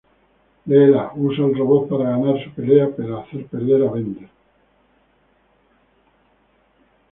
Leela usa al robot para ganar su pelea, pero hace perder a Bender.